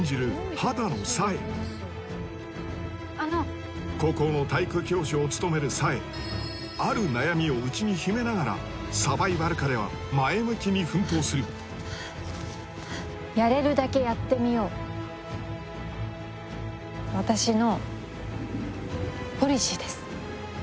畑野紗枝高校の体育教師を務める紗枝ある悩みを内に秘めながらサバイバル下では前向きに奮闘するやれるだけやってみよう私のポリシーです